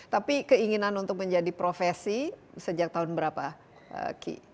tapi keinginan untuk menjadi profesi sejak tahun berapa ki